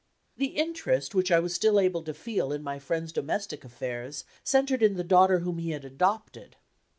The interest which I was still able to feel in my friend's domestic affairs centered in the daughter whom he had adopted.